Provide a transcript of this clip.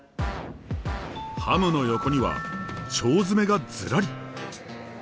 ハムの横には腸詰めがずらり。